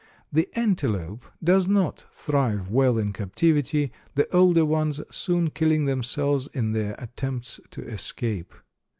The antelope does not thrive well in captivity, the older ones soon killing themselves in their attempts to escape.